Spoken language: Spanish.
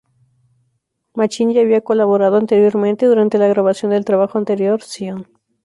Machine ya había colaborado anteriormente durante la grabación del trabajo anterior "Zion".